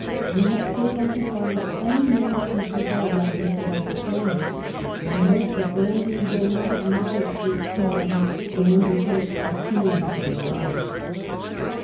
We have failed to find any men speakers or writers that understand this, for the most abandoned will not acknowledge this to men who undertake to peer into their lives.